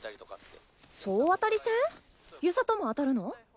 総当たり戦？遊佐とも当たるの？